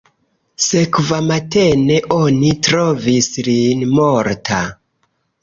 Sekvamatene oni trovis lin morta.